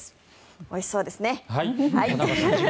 おいしそうですね。